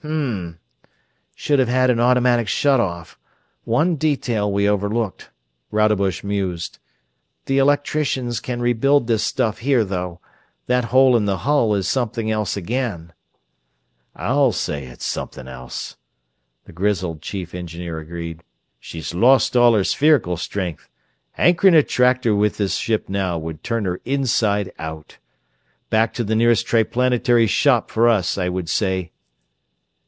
"Hm m m. Should have had an automatic shut off one detail we overlooked," Rodebush mused. "The electricians can rebuild this stuff here, though that hole in the hull is something else again." "I'll say it's something else," the grizzled Chief Engineer agreed. "She's lost all her spherical strength anchoring a tractor with this ship now would turn her inside out. Back to the nearest Triplanetary shop for us, I would say."